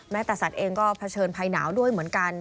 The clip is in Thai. ตะสัตว์เองก็เผชิญภัยหนาวด้วยเหมือนกัน